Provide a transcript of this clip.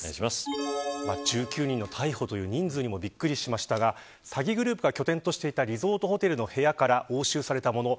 １９人の逮捕という人数にもびっくりしましたが詐欺グループが拠点としていたリゾートホテルの部屋から押収されたもの。